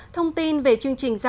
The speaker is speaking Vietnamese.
thông tin về chương trình hồi đập